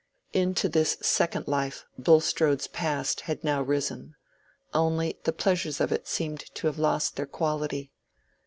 Into this second life Bulstrode's past had now risen, only the pleasures of it seeming to have lost their quality.